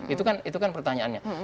itu kan pertanyaannya